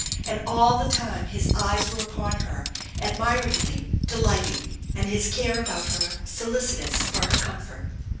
And all the time his eyes were upon her, admiring, delighting; and his care about her, solicitout for her comfort.